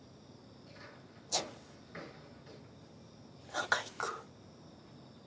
中行く？